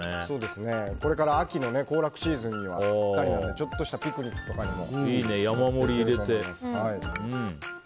これから秋の行楽シーズンになるのでぴったりなのでちょっとしたピクニックなどにもいいと思います。